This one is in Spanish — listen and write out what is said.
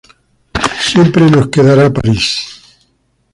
Siempre nos quedará París